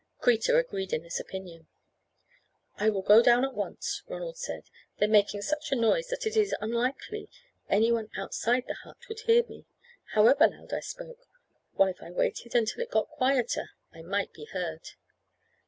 Kreta agreed in this opinion. "I will go down at once," Ronald said; "they're making such a noise that it is unlikely any one outside the hut would hear me, however loud I spoke, while if I waited until it got quieter, I might be heard.